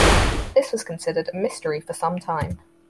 This was considered a mystery for some time.